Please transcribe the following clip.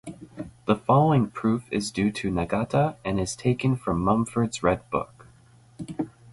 The following proof is due to Nagata and is taken from Mumford's red book.